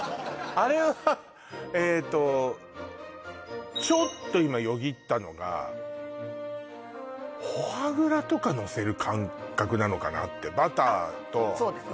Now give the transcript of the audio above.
あれはえとちょっと今よぎったのがフォアグラとかのせる感覚なのかなってバターとそうです